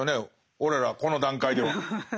俺らこの段階では。